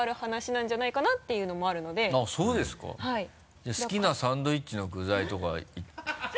じゃあ「好きなサンドイッチの具材」とか。